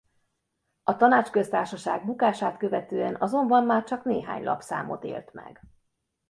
A Tanácsköztársaság bukását követően azonban már csak néhány lapszámot élt meg.